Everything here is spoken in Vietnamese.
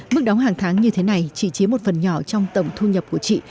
mức đóng hàng tháng như thế này chỉ chiếm một phần nhỏ trong tổng thu nhập của chị